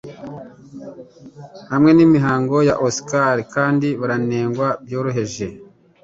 hamwe nimihango ya Oscar kandi baranengwa byoroheje